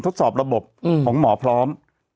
ทดสอบระบบของหมอพร้อม